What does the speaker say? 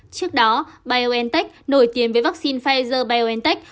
trước đó biontech nổi tiếng với vaccine pfizer biontech